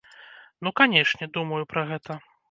Ну, канешне, думаю пра гэта.